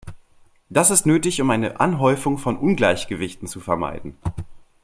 Das ist nötig, um eine Anhäufung von Ungleichgewichten zu vermeiden.